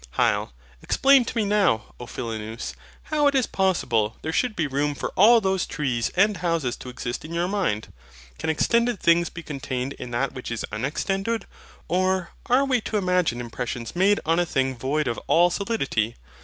HYL. Explain to me now, O Philonous! how it is possible there should be room for all those trees and houses to exist in your mind. Can extended things be contained in that which is unextended? Or, are we to imagine impressions made on a thing void of all solidity?